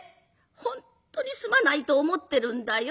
本当にすまないと思ってるんだよ」。